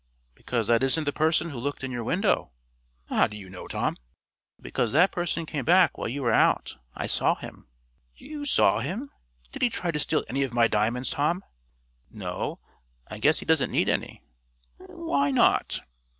"Because that isn't the person who looked in your window." "How do you know, Tom?" "Because that person came back while you were out. I saw him." "You saw him? Did he try to steal any of my diamonds, Tom?" "No, I guess he doesn't need any." "Why not?"